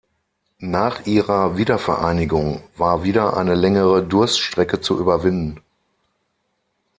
Nach ihrer Wiedervereinigung war wieder eine längere Durststrecke zu überwinden.